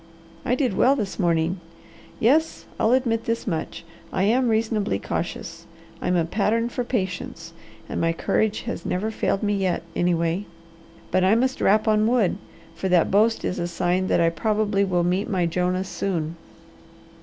I did well this morning. Yes, I'll admit this much: I am reasonably cautious, I'm a pattern for patience, and my courage never has failed me yet, anyway. But I must rap on wood; for that boast is a sign that I probably will meet my Jonah soon."